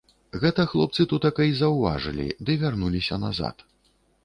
Гэта хлопцы тутака й заўважылі ды вярнуліся назад.